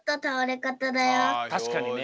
たしかにね。